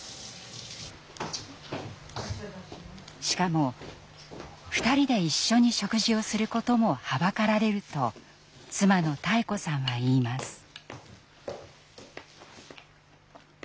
しかも２人で一緒に食事をすることもはばかられると妻の妙子さんは言います。